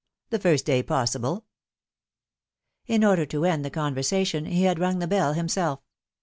The first day possible." In order to end the conversation, he had rung the bell himself.